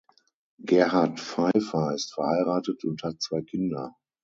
Gerhard Pfeifer ist verheiratet und hat zwei Kinder.